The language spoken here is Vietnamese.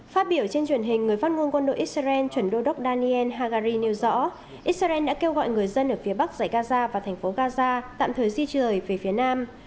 phát biểu trên truyền hình người phát ngôn quân đội israel chuẩn đô đốc daniel hagari nêu rõ israel đã kêu gọi người dân ở phía bắc giải gaza và thành phố gaza tạm thời di trời về phía nam